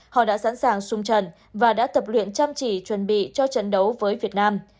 họ đã sẵn sàng sung trận và đã tập luyện chăm chỉ chuẩn bị cho trận đấu với việt nam